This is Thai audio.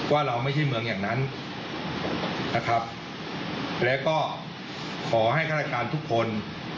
ว่าเราไม่ใช่เมืองอย่างนั้นนะครับแล้วก็ขอให้ฆาตการทุกคน